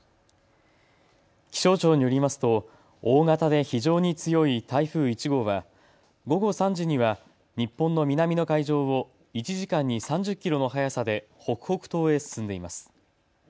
気象庁によりますと大型で非常に強い台風１号は午後３時には日本の南の海上を１時間に３０キロの速さで北北東へ進んでいます。